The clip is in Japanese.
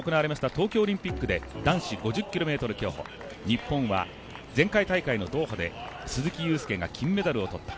東京オリンピックで男子５０ｋｍ競歩日本は、前回大会のドーハで鈴木雄介が金メダルを取った。